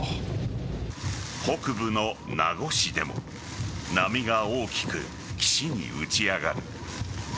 北部の名護市でも波が大きく岸に打ち上がる。